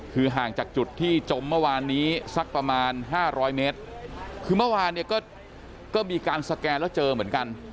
คือห่างจากจุดที่จมเมื่อวานนี้สักประมาณ๕๐๐เมตรคือเมื่อวานเนี่ยก็มีการสแกนแล้วเจอเหมือนกัน